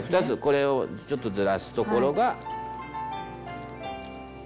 ２つこれをちょっとずらすところが。